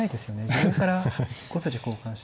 自分から５筋交換して。